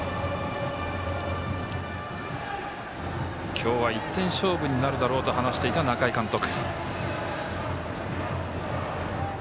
今日は１点勝負になるだろうと話していた中井監督。